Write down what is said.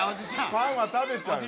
パンは食べちゃうよ。